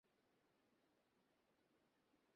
তাহলে তুমি কিভাবে পড়ালেখায় মনোনিবেশ করবে?